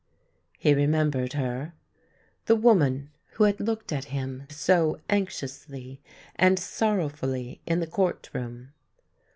" He remembered her — the woman who had looked at him so anxiously and sorrowfully in the court room.